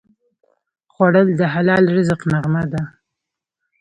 خوړل د حلال رزق نغمه ده